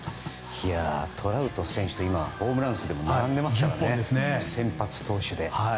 トラウト選手とホームラン数が今並んでますからね先発投手で。